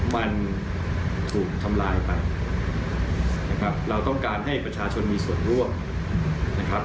มันถูกทำลายไปนะครับเราต้องการให้ประชาชนมีส่วนร่วมนะครับ